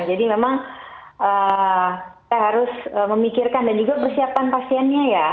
jadi memang kita harus memikirkan dan juga persiapan pasiennya ya